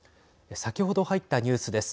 先ほど入ったニュースです。